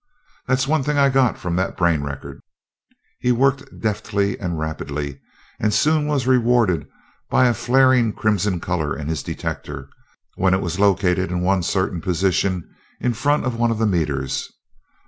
"That's one thing I got from that brain record." He worked deftly and rapidly, and soon was rewarded by a flaring crimson color in his detector when it was located in one certain position in front of one of the meters.